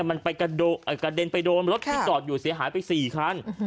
มันไปกระเด็นไปโดนรถที่จอดอยู่เสียหายไป๔คัน